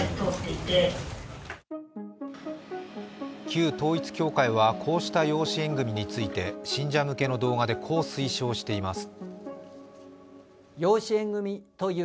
旧統一教会はこうした養子縁組について、信者向けの動画でこう推奨しています。